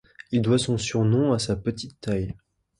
Il doit son surnom à sa petite taille.